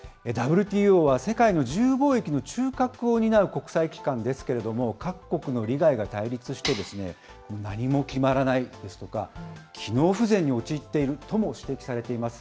ＷＴＯは世界の自由貿易の中核を担う国際機関ですけれども、各国の利害が対立して、何も決まらないですとか、機能不全に陥っているとも指摘されています。